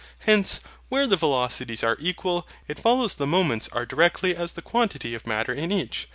Hence, where the velocities are equal, it follows the moments are directly as the quantity of Matter in each.